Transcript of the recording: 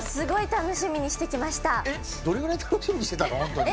どれぐらい楽しみにしてたの？